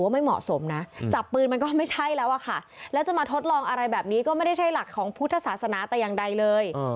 ไม่เหมาะสมนะจับปืนมันก็ไม่ใช่แล้วอะค่ะแล้วจะมาทดลองอะไรแบบนี้ก็ไม่ได้ใช้หลักของพุทธศาสนาแต่อย่างใดเลย